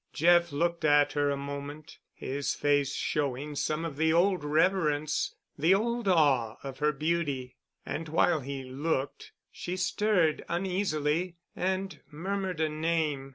Jeff looked at her a moment, his face showing some of the old reverence—the old awe of her beauty. And while he looked, she stirred uneasily and murmured a name.